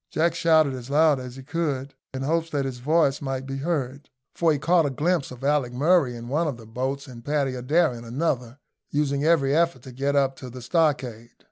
Jack shouted as loud as he could, in hopes that his voice might be heard, for he caught a glimpse of Alick Murray in one of the boats and Paddy Adair in another, using every effort to get up to the stockade.